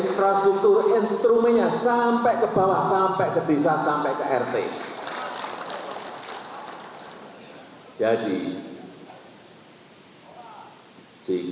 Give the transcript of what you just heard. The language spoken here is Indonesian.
prasejur seharinya sek fleece beroitah buat fbi disini